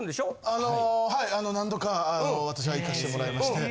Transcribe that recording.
あのはい何度か私は行かせてもらいまして。